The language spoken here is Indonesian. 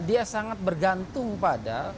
dia sangat bergantung pada